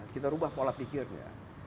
kita merubah pola pikirnya